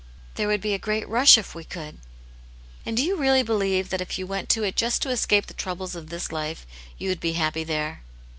There would be a great rush if we could." " And do you really believe, that if you went to it just to escape the troubles of this life, you would be happy there?"